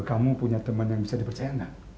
kamu punya teman yang bisa dipercaya nggak